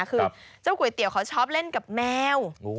คือเจ้าก๋วยเตี๋ยวเขาชอบเล่นกับแมว